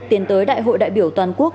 tiến tới đại hội đại biểu toàn quốc